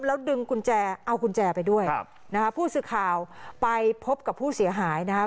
แล้วดึงกุญแจเอากุญแจไปด้วยครับนะฮะผู้สื่อข่าวไปพบกับผู้เสียหายนะครับ